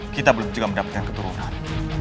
kita belum juga mendapatkan keturunan